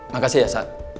makasih ya sak